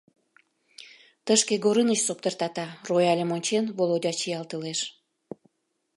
— Тышке Горыныч соптыртата? — рояльым ончен, Володя чиялтылеш.